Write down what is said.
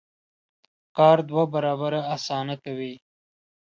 کار دوه برابره اسانه کوي.